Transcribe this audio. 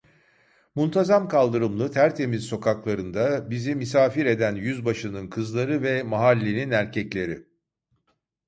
Muntazam kaldırımlı tertemiz sokaklarında, bizi misafir eden yüzbaşının kızları ve mahallenin erkekleri.